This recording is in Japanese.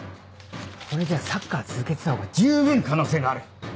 これじゃサッカー続けてたほうが十分可能性がある。